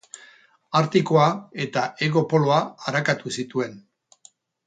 Artikoa eta Hego Poloa arakatu zituen.